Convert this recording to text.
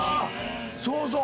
そうそう。